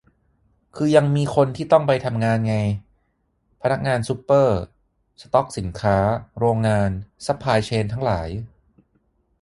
คือยังมีคนที่ต้องไปทำงานไง พนักงานซูเปอร์ สต็อกสินค้า โรงงาน ซัพพลายเชนทั้งหลาย